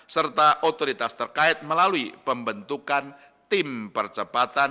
serta otoritas terkait melalui pembentukan tim percepatan